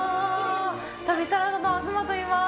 旅サラダの東といいます。